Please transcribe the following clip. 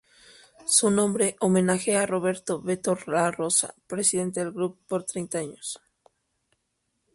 Su nombre homenajea a Roberto "Beto" Larrosa, presidente del club por treinta años.